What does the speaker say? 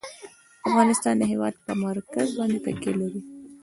افغانستان د هېواد پر مرکز باندې تکیه لري.